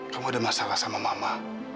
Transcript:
kamu ada masalah sama mama